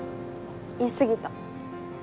言い過ぎた。